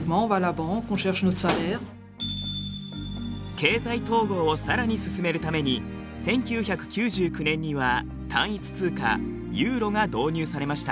経済統合をさらに進めるために１９９９年には単一通貨ユーロが導入されました。